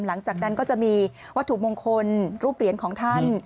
หลังจากนั้นก็จะมีวัตถุมงคลรูปเหรียญของท่าน